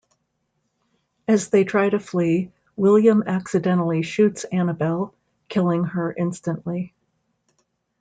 As they try to flee, William accidentally shoots Annabelle, killing her instantly.